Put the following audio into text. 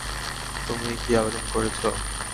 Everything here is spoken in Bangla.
তুমিই কী আবেদন করেছ?